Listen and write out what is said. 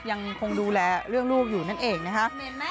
ยังคงดูแลเรื่องลูกอยู่นั่นเองนะคะ